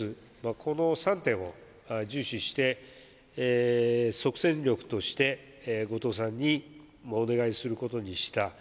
この３点を重視して即戦力として後藤さんにお願いすることにした